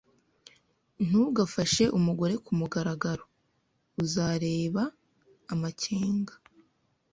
Ntugafashe umugore kumugaragaro. Uzareba amakenga